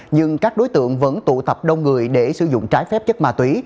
nhưng các đối tượng vẫn tụ tập đông người để sử dụng trái phép chất ma túy